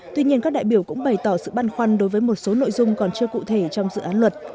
tuy nhiên các đại biểu cũng bày tỏ sự băn khoăn đối với một số nội dung còn chưa cụ thể trong dự án luật